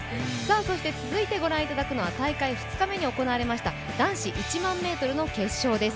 続いてご覧いただくのは大会２日目に行われました男子１００００ｍの決勝です。